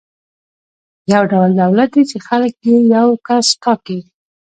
یو ډول دولت دی چې خلک یې یو کس ټاکي.